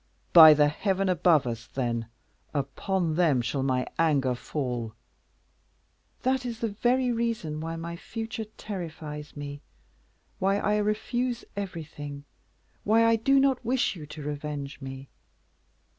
By the heaven above us, then, upon them shall my anger fall." "That is the reason why the future terrifies me, why I refuse everything, why I do not wish you to revenge me.